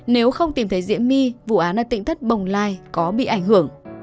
nếu không tìm thấy diễm my vụ án ở tỉnh thất bồng lai có bị ảnh hưởng